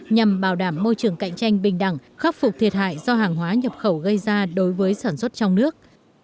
nhằm bảo đảm môi trường cạnh tranh bình đẳng khắc phục thiệt hại do hàng hóa nhập khẩu gây ra đối với sản xuất trong nước